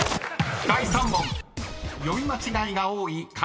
［第３問］